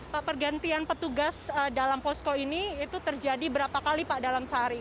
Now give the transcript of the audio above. pak pergantian petugas dalam posko ini itu terjadi berapa kali pak dalam sehari